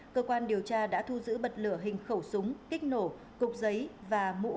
cơ quan điều tra đã thu giữ bật lửa hình khẩu súng kích nổ cục giấy và mũ